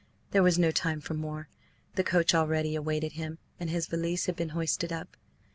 There was no time for more; the coach already awaited him, and his valise had been hoisted up.